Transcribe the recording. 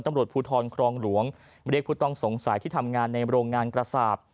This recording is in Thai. ตำรวจภูทรครองหลวงเล็กภูตองสงสัยที่ทำงานในโรงการกษาบ